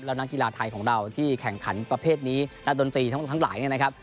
แล้วนักกีฬาไทยของเราที่แข่งขันประเภทนี้นักดนตรีทั้งหลายเนี่ยนะครับ